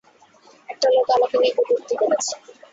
একটা লোক আমাকে নিয়ে কটুক্তি করেছে।